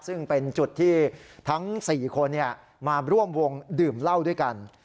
ซึ่งเป็นจุดที่ทั้ง๔คนมาร่วมวงดื่มเหล้าด้วยกัน